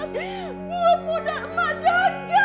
buat muda emak dagang ya